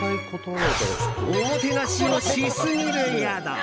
おもてなしをしすぎる宿。